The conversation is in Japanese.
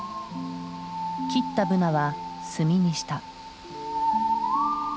切ったブナは炭にした。